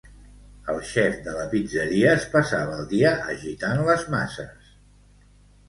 El xef de la pizzeria es passava el dia agitant les masses.